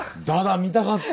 見たかった。